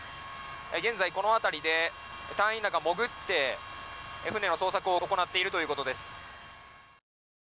現在この辺りで隊員らが潜って船の捜索を行っているということです。